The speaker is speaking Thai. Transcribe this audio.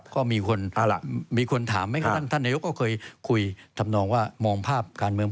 ก็มีคนถามไว้ท่านนายก็เคยคุยทำนองว่ามองภาพการเมือง